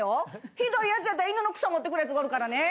ひどいやつやったら犬のクソ持ってくるやつがおるからね。